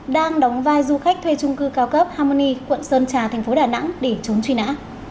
đang đóng vai du khách thuê chung cư cao cấp harmony quận sơn trà tp đà nẵng để chống truy nã